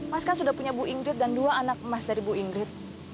mas kan sudah punya bu ingrit dan dua anak emas dari bu ingrit